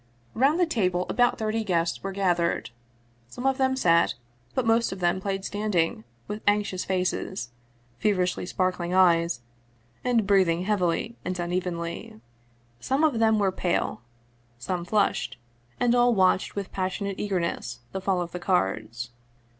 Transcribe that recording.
Round the table about thirty guests were gathered. Some of them sat, but most of them played standing, with anx ious faces, feverishly sparkling eyes, and breathing heavily and unevenly. Some were pale, some flushed, and all watched with passionate eagerness the fall of the cards.